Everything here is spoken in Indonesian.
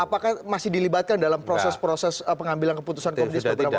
apakah masih dilibatkan dalam proses proses pengambilan keputusan komdis